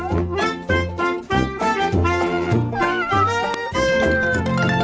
สวัสดีครับ